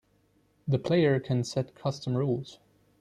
The player can set custom rules.